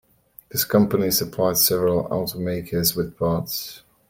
This company supplied several automakers with parts.